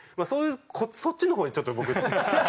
そっちの方にちょっと僕気持ちが。